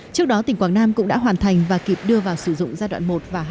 trước đó tỉnh quảng nam cũng đã hoàn thành và kịp đưa vào sử dụng giai đoạn một và hai